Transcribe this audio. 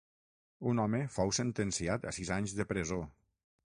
Un home fou sentenciat a sis anys de presó.